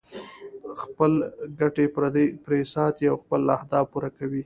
خپلې ګټې پرې ساتي او خپل اهداف پوره کوي.